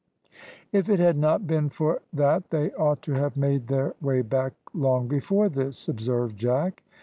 "If it had not been for that they ought to have made their way back long before this," observed Jack.